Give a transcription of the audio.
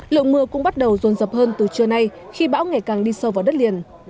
lượng mưa cũng bắt đầu rồn rập hơn từ trưa nay khi bão ngày càng đi sâu vào đất liền